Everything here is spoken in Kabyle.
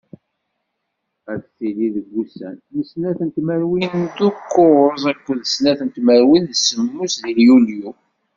Ad d-tili deg ussan, n snat tmerwin d ukkuẓ akked snat tmerwin d semmus deg yulyu.